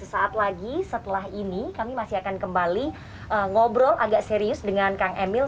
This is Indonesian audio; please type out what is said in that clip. sesaat lagi setelah ini kami masih akan kembali ngobrol agak serius dengan kang emil